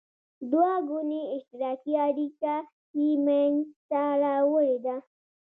دوه ګوني اشتراکي اړیکه یې مینځته راوړې ده.